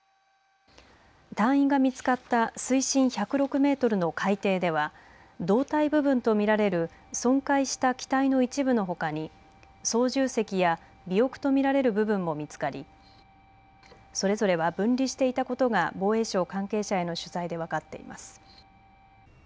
隊員が見つかった水深１０６メートルの海底では胴体部分と見られる損壊した機体の一部のほかに操縦席や尾翼と見られる部分も見つかりそれぞれは分離していたことが防衛省関係者への取材で分かっています。